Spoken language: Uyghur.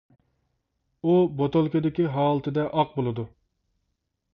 ئۇ بوتۇلكىدىكى ھالىتىدە ئاق بولىدۇ.